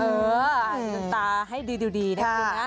เออจนตาให้ดีนะคุณนะ